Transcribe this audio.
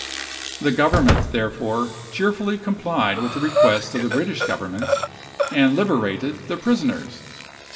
The Government, therefore, cheerfully complied with the request of the British Government, and liberated the prisoners.